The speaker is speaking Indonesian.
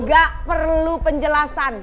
gak perlu penjelasan